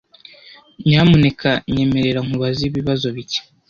Nyamuneka nyemerera nkubaze ibibazo bike.